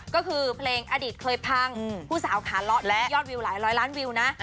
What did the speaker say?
ก็คือเพลงอดีตเคยพังผู้สาวขาเลาะและยอดวิวหลายร้อยล้านวิวนะ